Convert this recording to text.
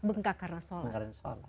bengkak karena shalat